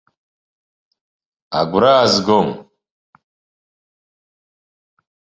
Агәра азгом.